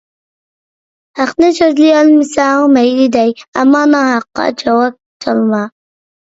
ھەقنى سۆزلىيەلمىسەڭ مەيلى دەي، ئەمما ناھەققە چاۋاك چالما!